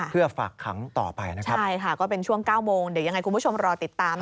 เพื่อฝากขังต่อไปนะครับใช่ค่ะก็เป็นช่วง๙โมงเดี๋ยวยังไงคุณผู้ชมรอติดตาม